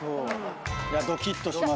ドキッとしますよね。